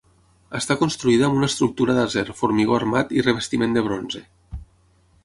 Està construïda amb una estructura d'acer, formigó armat i revestiment de bronze.